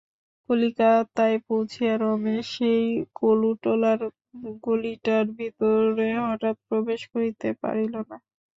কলিকাতায় পৌঁছিয়া রমেশ সেই কলুটোলার গলিটার ভিতরে হঠাৎ প্রবেশ করিতে পারিল না।